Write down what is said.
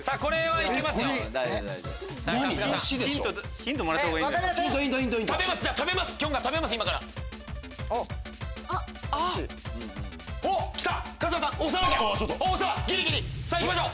行きましょう。